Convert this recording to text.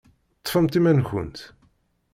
Ṭṭfemt iman-nkent.